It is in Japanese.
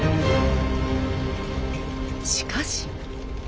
しかし。